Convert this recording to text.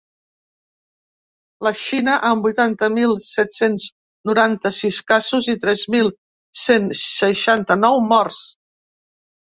La Xina, amb vuitanta mil set-cents noranta-sis casos i tres mil cent seixanta-nou morts.